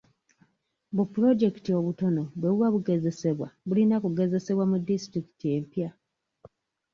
Bu puloojekiti obutono bwe buba bugezesebwa bulina kugezesebwa mu disitulikiti empya.